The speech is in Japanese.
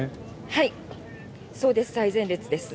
はい、そうです。